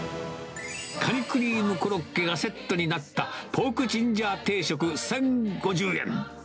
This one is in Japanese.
カニクリームコロッケがセットになったポークジンジャー定食１０５０円。